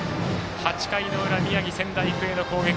８回の裏、宮城の仙台育英の攻撃。